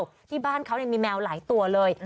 เพราะว่าในบ้านเขาเนี่ยมีแมวหลายตัวเลย